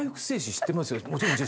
知ってます。